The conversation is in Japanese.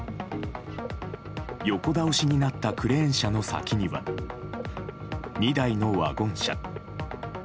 横倒しになったクレーン車の先には２台のワゴン車。